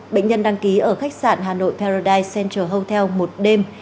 bệnh nhân đăng ký ở khách sạn hà nội paradise central hotel một đêm